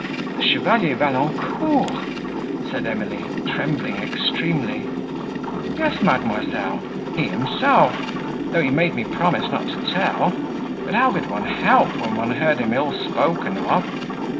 "The Chevalier Valancourt!" said Emily, trembling extremely. "Yes, mademoiselle, he himself, though he made me promise not to tell; but how could one help, when one heard him ill spoken of?